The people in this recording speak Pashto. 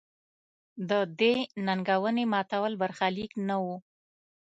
د دې ننګونې ماتول برخلیک نه و.